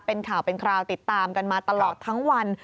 เป็นข่าวเป็นคราวติดตามกันมาตลอดทั้งวัน